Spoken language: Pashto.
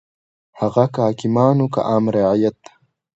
هغه که حاکمان وو که عام رعیت.